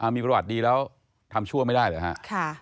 มีประวัติดีแล้วทำชั่วไม่ได้เหรอฮะ